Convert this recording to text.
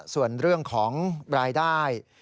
ส่วนเรื่องของรายได้